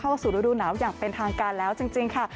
เข้าสู่ฤดูหนาวอย่างเป็นทางการแล้วจริงค่ะ